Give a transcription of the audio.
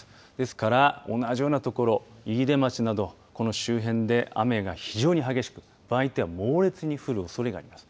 ですから同じような所、飯豊町などこの周辺で雨が非常に激しく場合によっては猛烈に降るおそれがあります。